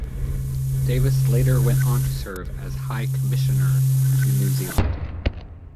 Davis later went on to serve as High Commissioner to New Zealand.